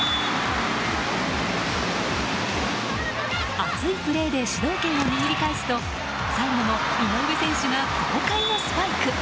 熱いプレーで主導権を握り返すと最後も井上選手が豪快なスパイク。